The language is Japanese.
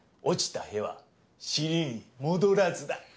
「落ちた屁は尻に戻らず」だ。